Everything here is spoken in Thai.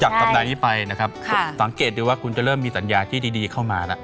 สัปดาห์นี้ไปนะครับสังเกตดูว่าคุณจะเริ่มมีสัญญาที่ดีเข้ามาแล้ว